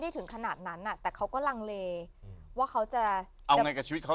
ถึงขนาดนั้นอ่ะแต่เขาก็ลังเลว่าเขาจะเอาไงกับชีวิตเขา